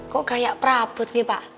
kok kayak perabut nih pak